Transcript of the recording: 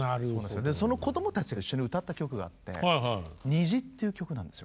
そのこどもたちが一緒に歌った曲があって「にじ」っていう曲なんですよ。